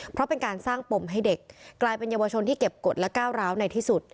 เพราะเป็นการสร้างปมให้เด็กกลายเป็นเยาวชนที่เก็บกฎและก้าวร้าวในที่สุด